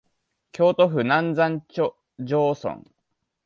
京都府南山城村